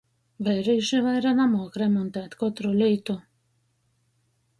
Veirīši vaira namuok remoņtēt kotru lītu.